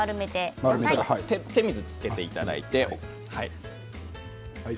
手水をつけていただいて。